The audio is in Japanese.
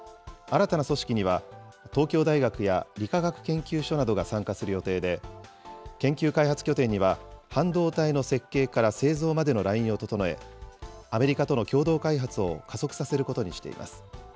新たな組織には、東京大学や理化学研究所などが参加する予定で、研究開発拠点には、半導体の設計から製造までのラインを整え、アメリカとの共同開発を加速させることにしています。